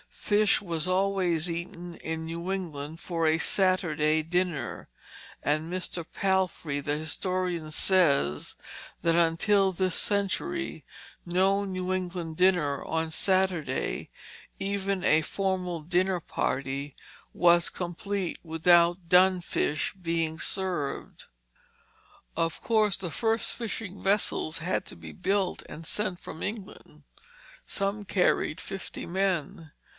Fish was always eaten in New England for a Saturday dinner; and Mr. Palfrey, the historian, says that until this century no New England dinner on Saturday, even a formal dinner party, was complete without dun fish being served. Of course the first fishing vessels had to be built and sent from England. Some carried fifty men.